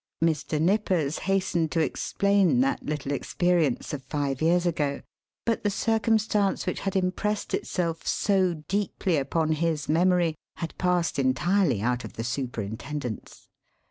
Mr. Nippers hastened to explain that little experience of five years ago; but the circumstance which had impressed itself so deeply upon his memory had passed entirely out of the superintendent's.